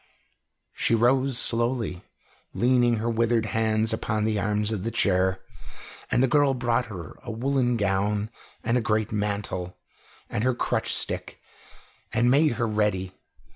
She rose slowly, leaning her withered hands upon the arms of the chair, and the girl brought her a woollen gown and a great mantle, and her crutch stick, and made her ready.